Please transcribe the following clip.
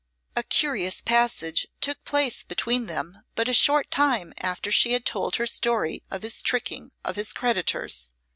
A curious passage took place between them but a short time after she had told her story of his tricking of his creditors.